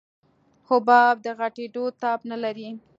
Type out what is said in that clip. حباب د غټېدو تاب نه لري.